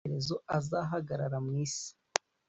Kandi ko amaherezo azahagarara mu isi